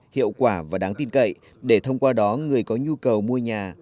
hiệu quả và đáng tin cậy để thông qua đó người có nhu cầu mua nhà